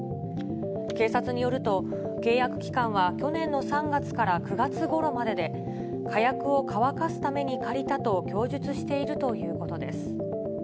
警察によると、契約期間は去年の３月から９月ごろまでで、火薬を乾かすために借りたと供述しているということです。